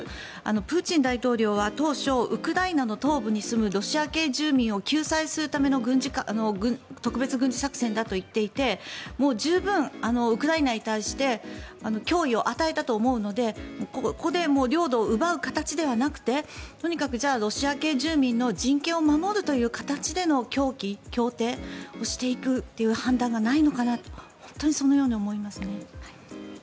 プーチン大統領は当初ウクライナの東部に住むロシア系住民を救済するための特別軍事作戦だと言っていてもう十分ウクライナに対して脅威を与えたと思うのでここで領土を奪う形ではなくてとにかくロシア系住民の人権を守るという形での協定をしていくという判断がないのかなと本当にそのように思いますね。